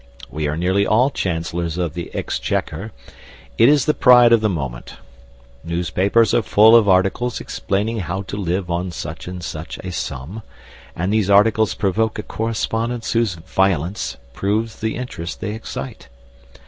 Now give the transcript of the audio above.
We are nearly all chancellors of the exchequer: it is the pride of the moment. Newspapers are full of articles explaining how to live on such and such a sum, and these articles provoke a correspondence whose violence proves the interest they excite.